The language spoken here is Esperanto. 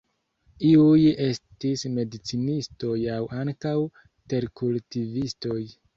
Iuj estis medicinistoj aŭ ankaŭ terkultivistoj.